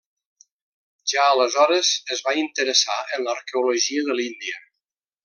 Ja aleshores es va interessar en l'arqueologia de l'Índia.